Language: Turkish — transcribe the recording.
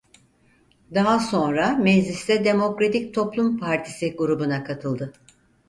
Daha sonra mecliste Demokratik Toplum Partisi grubuna katıldı.